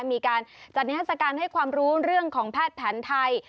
มีการจัดนิทัศกาลให้ความรู้เรื่องของแพทย์แผนไทย